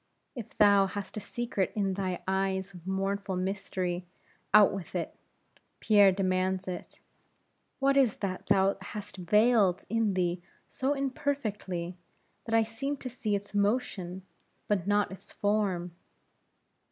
If thou hast a secret in thy eyes of mournful mystery, out with it; Pierre demands it; what is that thou hast veiled in thee so imperfectly, that I seem to see its motion, but not its form?